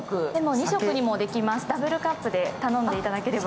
２色にもできます、ダブルカップで頼んでいただければ。